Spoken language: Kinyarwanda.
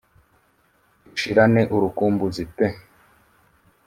dushirane urukumbuzi peee.